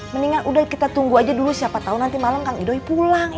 mendingan udah kita tunggu aja dulu siapa tahu malem kang idoy pulang ya kan